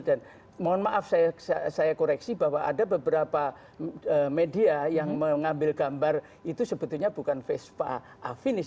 dan mohon maaf saya koreksi bahwa ada beberapa media yang mengambil gambar itu sebetulnya bukan vespa afinis